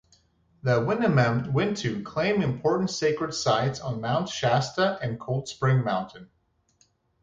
The Winnemem Wintu claim important sacred sites on Mount Shasta and Cold Spring Mountain.